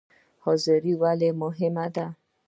حاضري ولې مهمه ده؟